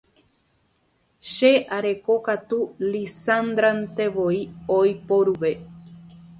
che areko katu Lizandrantevoi oiporuve